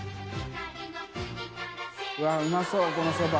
錣うまそうこのそば。